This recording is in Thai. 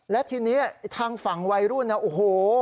และทีนี้ทางฝั่งวัยรุ่นนะโอ้โห